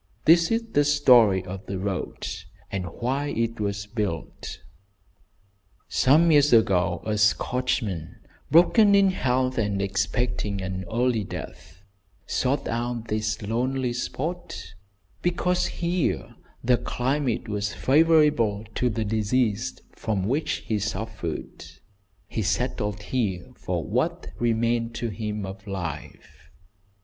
This is the story of the road, and why it was built: Some years ago a Scotchman, broken in health and expecting an early death, sought out this lonely spot, because here the climate was favourable to the disease from which he suffered. He settled here for what remained to him of life.